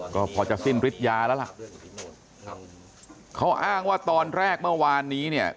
ก็พอจะสิ้นฤทธิยาแล้วล่ะเขาอ้างว่าตอนแรกเมื่อวานนี้เนี่ย